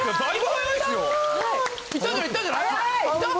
いったんじゃない？